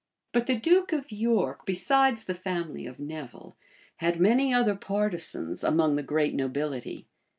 But the duke of York, besides the family of Nevil, had many other partisans among the great nobility.